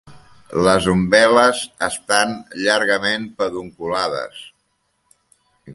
Les umbel·les estan llargament pedunculades.